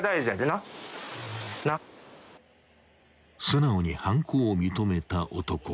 ［素直に犯行を認めた男］